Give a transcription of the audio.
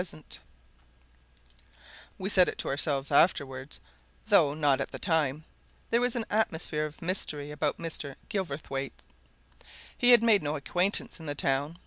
All the same we said it to ourselves afterwards, though not at the time there was an atmosphere of mystery about Mr. Gilverthwaite. He made no acquaintance in the town.